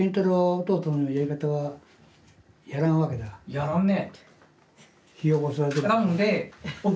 やらんね。